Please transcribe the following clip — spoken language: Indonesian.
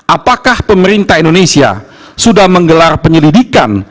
apakah pemerintah indonesia sudah menggelar penyelidikan